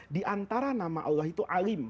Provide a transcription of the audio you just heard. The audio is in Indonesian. di antara nama allah itu alim